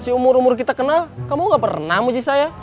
seumur umur kita kenal kamu gak pernah muji saya